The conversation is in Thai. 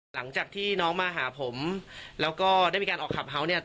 หลังจากที่น้องมาหาผมแล้วก็ได้มีการออกคลับเฮาส์เนี่ย